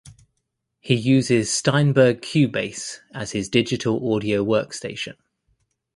He uses Steinberg Cubase as his digital audio workstation.